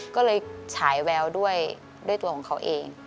ก็เลยฉายแววด้วยตัวของเขาเอง